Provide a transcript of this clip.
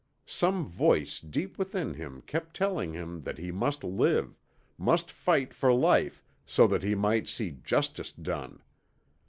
Some voice deep within him kept telling him that he must live, must fight for life so that he might see justice done.